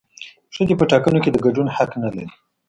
ښځې په ټاکنو کې د ګډون حق نه لري